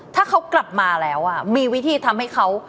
ถ้าเขากลับมาแล้วมีวิธีทำให้เขา